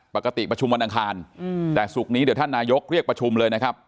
ประชุมวันอังคารแต่ศุกร์นี้เดี๋ยวท่านนายกเรียกประชุมเลยนะครับ